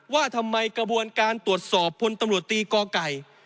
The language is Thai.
ว่าทำไมกระบวนการตรวจสอบพลตำรวจตีกอไก่